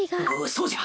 そうじゃ！